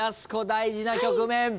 大事な局面。